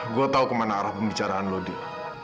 gue tau kemana arah pembicaraan lo dio